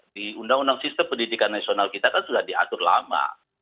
di undang undang sistem pendidikan nasional kita kan sudah diatur lama